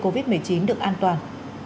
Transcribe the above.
covid một mươi chín được an toàn